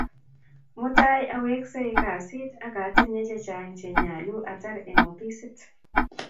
Mutai awekse kasit akatinye chechang' che nyalu atar eng' opisit